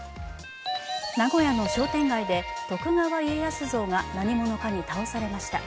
名古屋の商店街で、徳川家康像が何者かに倒されました。